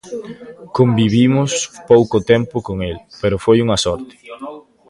Convivimos pouco tempo con el, pero foi unha sorte.